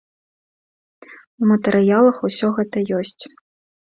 У матэрыялах усё гэта ёсць.